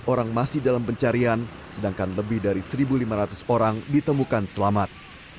empat orang masih dalam pencarian sedangkan lebih dari satu lima ratus orang ditemukan selamat